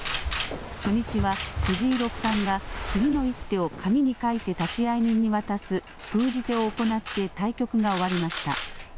初日は藤井六冠が次の一手を紙に書いて立会人に渡す封じ手を行って対局が終わりました。